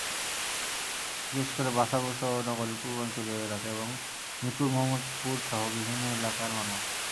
বিশেষ করে বাসাবোসহ নগরের পূর্বাঞ্চলীয় এলাকা এবং মিরপুর, মোহাম্মদপুরসহ বিভিন্ন এলাকার মানুষ।